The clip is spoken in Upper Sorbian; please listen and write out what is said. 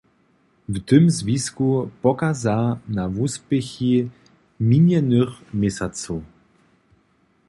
W tym zwisku pokaza na wuspěchi minjenych měsacow.